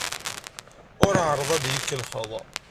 Ur ɛerreḍ ad iyi-tkellxeḍ.